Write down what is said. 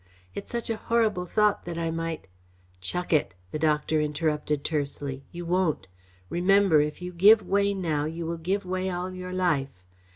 It's such a horrible thought that I might " "Chuck it!" the doctor interrupted tersely. "You won't. Remember, if you give way now you will give way all your life.